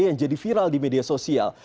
yang jadi viral di media sosial